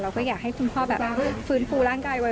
ก็อยากให้คุณพ่อแบบฟื้นฟูร่างกายไว้